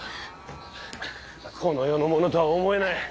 この世のものとは思えない。